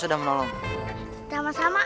ayo penuh ya